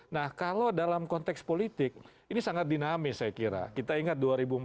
nah kalau dalam konteks politik ini sangat dinamis saya kira kita ingat dua ribu empat belas